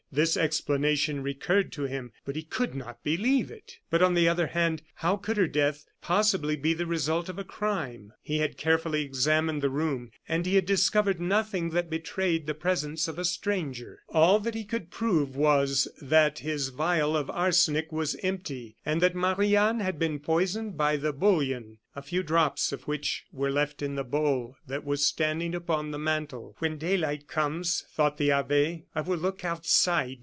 This explanation recurred to him, but he could not believe it. But, on the other hand, how could her death possibly be the result of a crime? He had carefully examined the room, and he had discovered nothing that betrayed the presence of a stranger. All that he could prove was, that his vial of arsenic was empty, and that Marie Anne had been poisoned by the bouillon, a few drops of which were left in the bowl that was standing upon the mantel. "When daylight comes," thought the abbe, "I will look outside."